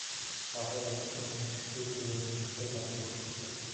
Аугаа удирдах хүмүүс хэцүү бөгөөд сонирхолтой даалгавар өгч чаддаг.